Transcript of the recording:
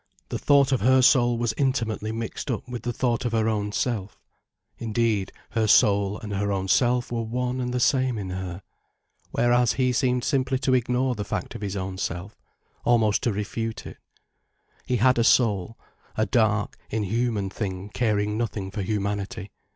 The thought of her soul was intimately mixed up with the thought of her own self. Indeed, her soul and her own self were one and the same in her. Whereas he seemed simply to ignore the fact of his own self, almost to refute it. He had a soul—a dark, inhuman thing caring nothing for humanity.